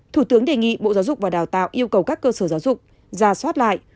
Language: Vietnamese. thủ tướng đề nghị bộ giáo dục và đào tạo yêu cầu các cơ sở giáo dục ra soát lại